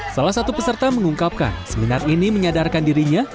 salah satu peserta mengungkapkan seminar ini menyadarkan dirinya